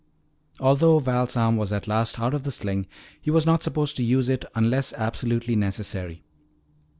Although Val's arm was at last out of the sling, he was not supposed to use it unless absolutely necessary.